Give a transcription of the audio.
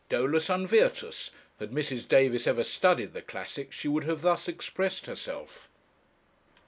Dolus an virtus Had Mrs. Davis ever studied the classics she would have thus expressed herself.